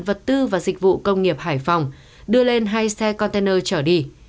vật tư và dịch vụ công nghiệp hải phòng đưa lên hai xe container trở đi